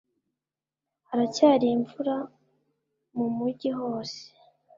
Haracyari mvura mu mujyi hose